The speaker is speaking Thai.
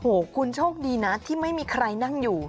โอ้โหคุณโชคดีนะที่ไม่มีใครนั่งอยู่